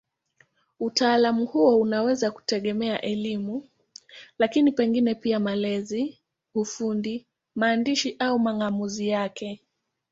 Utaalamu huo unaweza kutegemea elimu, lakini pengine pia malezi, ufundi, maandishi au mang'amuzi yake.